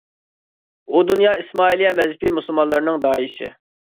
ئۇ دۇنيا ئىسمائىلىيە مەزھىپى مۇسۇلمانلىرىنىڭ داھىيسى.